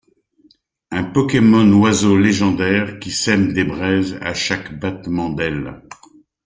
Un Pokémon Oiseau légendaire qui sème des braises à chaque battement d'ailes.